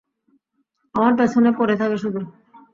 আমার পেছনে পড়ে থাকে শুধু।